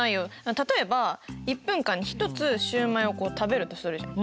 例えば１分間に１つシュウマイをこう食べるとするじゃん。